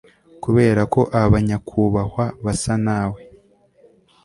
Kuberako aba nyakubahwa basa nawe